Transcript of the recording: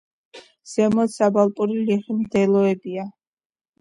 ზემოთ სუბალპური ლიხი და მდელოებია.